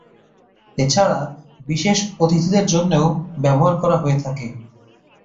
এছাড়া বিশেষ অতিথিদের জন্যেও ব্যবহার করা হয়ে থাকে।